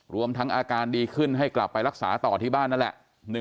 รวมทั้งอาการดีขึ้นให้กลับไปรักษาต่อที่บ้านนั่นแหละ